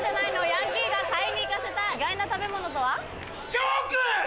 チョーク！